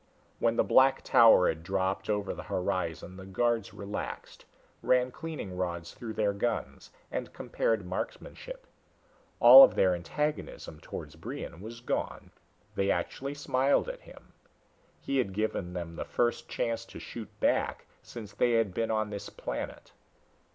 When the black tower had dropped over the horizon the guards relaxed, ran cleaning rods through their guns and compared marksmanship. All of their antagonism towards Brion was gone; they actually smiled at him. He had given them the first chance to shoot back since they had been on this planet.